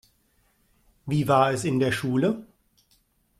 Wie war es in der Schule?